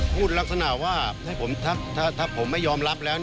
พูดลักษณะว่าถ้าผมไม่ยอมรับแล้ว